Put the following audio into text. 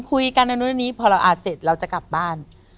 คุยกันแล้วนู่นนี้พอเราอาจเสร็จเราจะกลับบ้าน